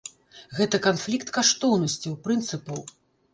Гэта канфлікт каштоўнасцяў, прынцыпаў.